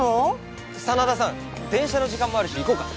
真田さん電車の時間もあるし行こうか。